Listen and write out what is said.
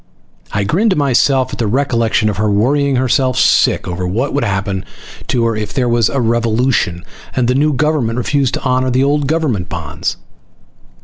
I grinned to myself at the recollection of her worrying herself sick once over what would happen to her if there was a revolution and the new government refused to honor the old government bonds.